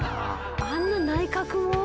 あんな内角も？